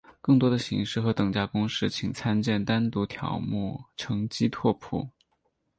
更多的形式和等价公式请参见单独条目乘积拓扑。